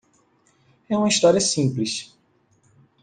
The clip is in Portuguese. É uma história simples.